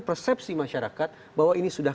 persepsi masyarakat bahwa ini sudah